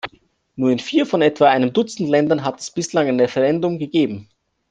Nur in vier von etwa einem Dutzend Ländern hat es bislang ein Referendum gegeben.